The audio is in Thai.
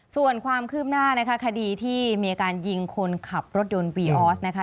ส่วนความคืบหน้านะคะคดีที่มีอาการยิงคนขับรถยนต์วีออสนะคะ